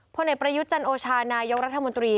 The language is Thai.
ผลเอกประยุทธ์จันโอชานายกรัฐมนตรี